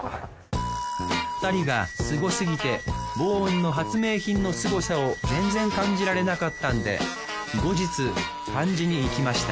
２人がスゴすぎて防音の発明品のスゴさを全然感じられなかったんで後日感じに行きました